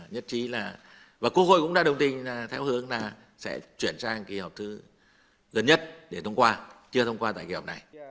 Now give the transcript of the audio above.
nhất trí là và quốc hội cũng đã đồng tình theo hướng là sẽ chuyển sang kỳ họp thứ gần nhất để thông qua chưa thông qua tại kỳ họp này